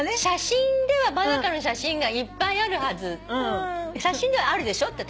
「写真では真香の写真がいっぱいあるはず」「写真ではあるでしょ？」